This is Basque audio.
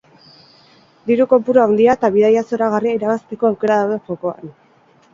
Diru kopuru handia eta bidaia zoragarria irabazteko aukera daude jokoan!